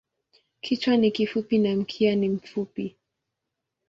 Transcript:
Kichwa ni kifupi na mkia ni mfupi.